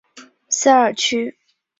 萨尔屈。